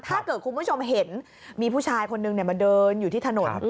ถ้าเกิดคุณผู้ชมเห็นมีผู้ชายคนนึงมาเดินอยู่ที่ถนน